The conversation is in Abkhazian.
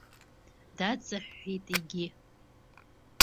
Даҵаҳәҳәеит егьи.